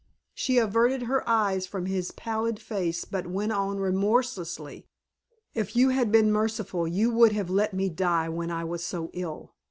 She averted her eyes from his pallid face but went on remorselessly. "If you had been merciful you would have let me die when I was so ill.